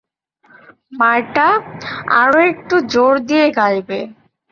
মার্টা, আরো একটু জোর দিয়ে গাইবে।